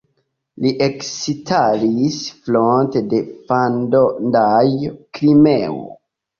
Li ekstaris fronte de Fondaĵo "Krimeo".